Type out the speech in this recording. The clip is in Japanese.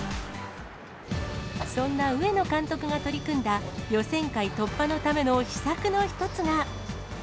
そんな上野監督が取り組んだ予選会突破のための秘策の一つが。